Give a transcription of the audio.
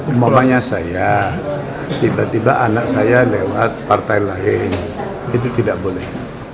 umpamanya saya tiba tiba anak saya lewat partai lain itu tidak boleh